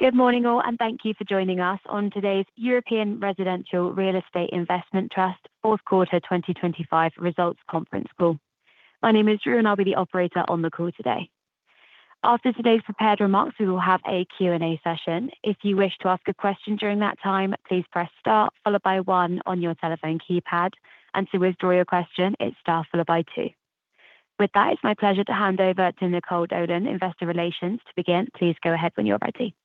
Good morning, all, and thank you for joining us on today's European Residential Real Estate Investment Trust Fourth Quarter 2025 Results Conference Call. My name is Drew, and I'll be the operator on the call today. After today's prepared remarks, we will have a Q&A session. If you wish to ask a question during that time, please press star followed by one on your telephone keypad. To withdraw your question, it's star followed by two. With that, it's my pleasure to hand over to Nicole Dolan, Investor Relations, to begin. Please go ahead when you're ready.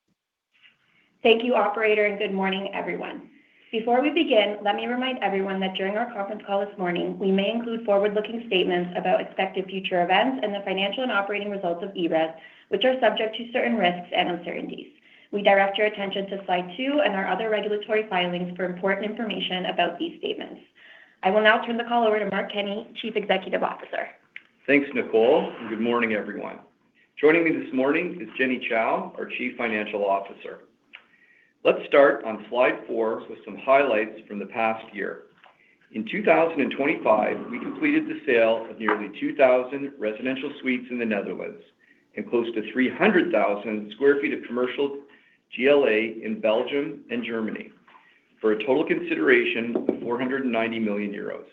Thank you, operator, and good morning, everyone. Before we begin, let me remind everyone that during our conference call this morning, we may include forward-looking statements about expected future events and the financial and operating results of ERES, which are subject to certain risks and uncertainties. We direct your attention to slide two and our other regulatory filings for important information about these statements. I will now turn the call over to Mark Kenney, Chief Executive Officer. Thanks, Nicole, and good morning, everyone. Joining me this morning is Jenny Chou, our Chief Financial Officer. Let's start on slide 4 with some highlights from the past year. In 2025, we completed the sale of nearly 2,000 residential suites in the Netherlands and close to 300,000 sq ft of commercial GLA in Belgium and Germany for a total consideration of 490 million euros.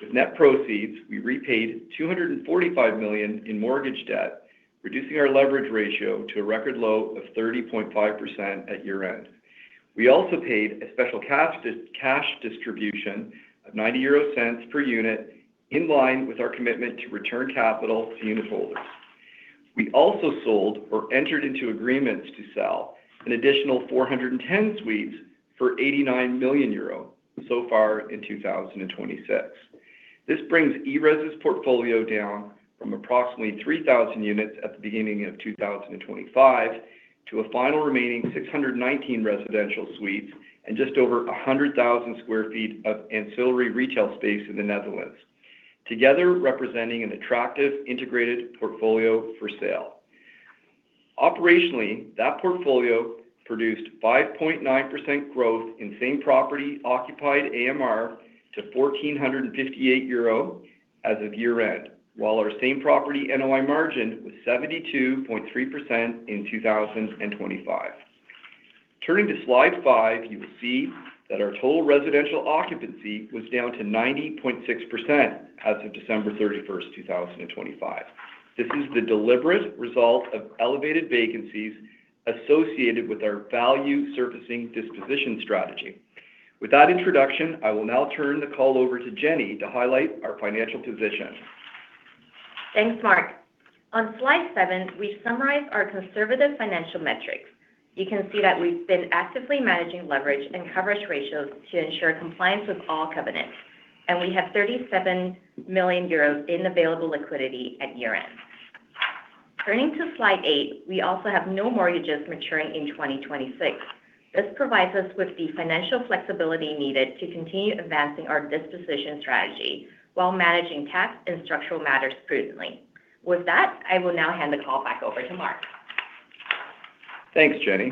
With net proceeds, we repaid 245 million in mortgage debt, reducing our leverage ratio to a record low of 30.5% at year-end. We also paid a special cash distribution of 0.90 per unit, in line with our commitment to return capital to unitholders. We also sold or entered into agreements to sell an additional 410 suites for 89 million euro so far in 2026. This brings ERES's portfolio down from approximately 3,000 units at the beginning of 2025 to a final remaining 619 residential suites and just over 100,000 sq ft of ancillary retail space in the Netherlands, together representing an attractive integrated portfolio for sale. Operationally, that portfolio produced 5.9% growth in same property occupied AMR to 1,458 euro as of year-end, while our same property NOI margin was 72.3% in 2025. Turning to slide 5, you will see that our total residential occupancy was down to 90.6% as of December 31, 2025. This is the deliberate result of elevated vacancies associated with our value surfacing disposition strategy. With that introduction, I will now turn the call over to Jenny to highlight our financial position. Thanks, Mark. On slide 7, we summarize our conservative financial metrics. You can see that we've been actively managing leverage and coverage ratios to ensure compliance with all covenants, and we have 37 million euros in available liquidity at year-end. Turning to slide 8, we also have no mortgages maturing in 2026. This provides us with the financial flexibility needed to continue advancing our disposition strategy while managing tax and structural matters prudently. With that, I will now hand the call back over to Mark. Thanks, Jenny.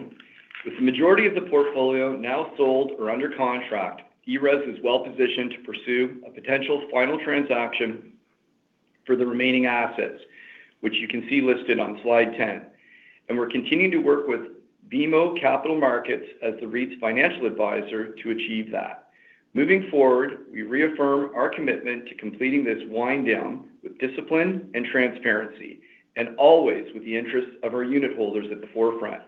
With the majority of the portfolio now sold or under contract, ERES is well-positioned to pursue a potential final transaction for the remaining assets, which you can see listed on slide 10. And we're continuing to work with BMO Capital Markets as the REIT's financial advisor to achieve that. Moving forward, we reaffirm our commitment to completing this wind down with discipline and transparency, and always with the interests of our unitholders at the forefront.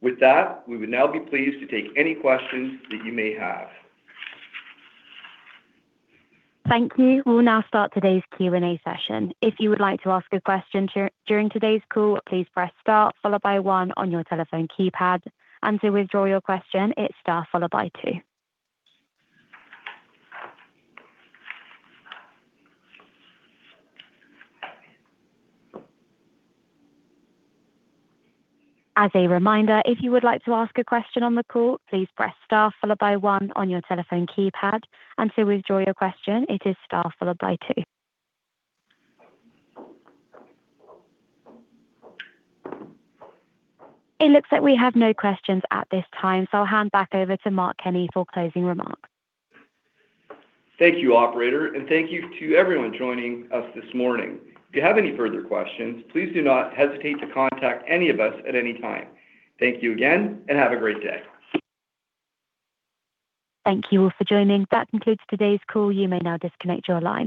With that, we would now be pleased to take any questions that you may have. Thank you. We'll now start today's Q&A session. If you would like to ask a question during today's call, please press star followed by one on your telephone keypad. To withdraw your question, it's star followed by two. As a reminder, if you would like to ask a question on the call, please press star followed by one on your telephone keypad. To withdraw your question, it is star followed by two. It looks like we have no questions at this time, so I'll hand back over to Mark Kenney for closing remarks. Thank you, operator, and thank you to everyone joining us this morning. If you have any further questions, please do not hesitate to contact any of us at any time. Thank you again, and have a great day. Thank you all for joining. That concludes today's call. You may now disconnect your line.